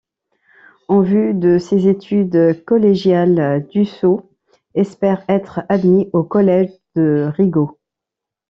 En vue de ses études collégiales, Dussault espère être admis au Collège de Rigaud.